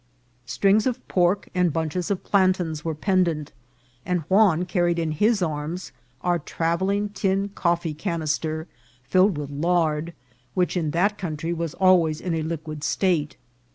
strings of pork and bunches of plantains were pendent ; and Juan carried in his arms our travelling tin coffee canister filled with lard, which in that country was always in a liquid state.